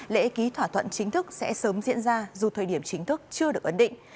lễ ký thỏa thuận chính thức sẽ sớm diễn ra dù thời điểm chính thức chưa được ấn định